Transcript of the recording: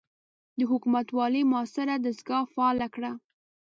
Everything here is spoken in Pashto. د حکومتوالۍ معاصره دستګاه فعاله کړه.